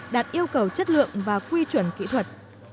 đạt yêu cầu chất lượng và quy chuẩn kỹ thuật